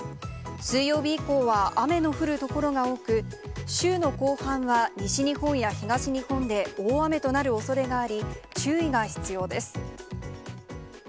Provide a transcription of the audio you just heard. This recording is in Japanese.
水曜日以降は雨の降る所が多く、週の後半は西日本や東日本で大雨となるおそれがあり、注意が必要です。